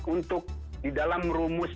untuk di dalam rumus